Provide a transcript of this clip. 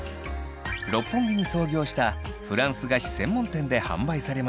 六本木に創業したフランス菓子専門店で販売されました。